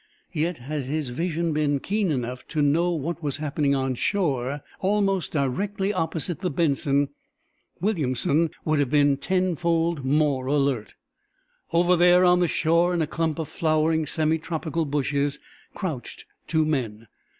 Yet, had his vision been keen enough to know what was happening on shore, almost directly opposite the "Benson," Williamson would have been tenfold more alert. Over there on the shore, in a clump of flowering, semi tropical bushes, crouched two men.